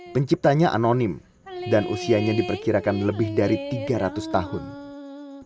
penciptanya anonim dan usianya diperkirakan lebih dari tiga ratus tahun